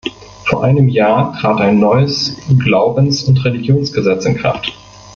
Vor einem Jahr trat ein neues Glaubensund Religionsgesetz in Kraft.